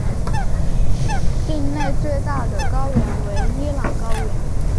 境内最大的高原为伊朗高原。